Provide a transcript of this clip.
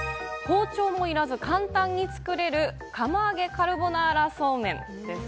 包丁もいらず、簡単に作れる、釜揚げカルボナーラそうめんです。